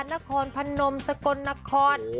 นครพนมสกลนคร